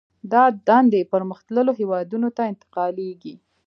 دا دندې پرمختللو هېوادونو ته انتقالېږي